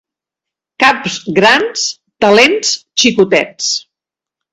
Caps grans, talents xicotets.